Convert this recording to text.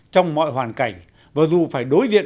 trong mọi hoàn cảnh và dù phải đối diện